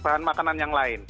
bukan makanan yang lain